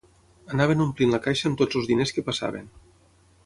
Anaven omplint la caixa amb tots els diners que passaven